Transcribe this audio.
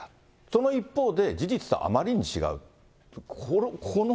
その一方で、事実とあまりに違う。